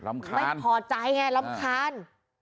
ไม่พอใจไงรำคาญ